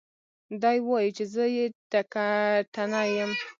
دى وايي چې زه يې ټکټنى يم.